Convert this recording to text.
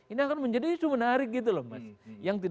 ini akan menjadi isu menarik gitu loh mas